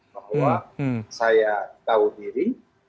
bahwa saya tahu diri